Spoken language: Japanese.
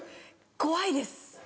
怖いです。